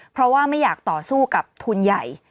เพราะว่าไม่อยากต่อสู้กับทุนใหญ่